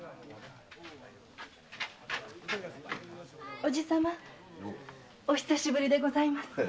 おじさまお久しぶりでございます。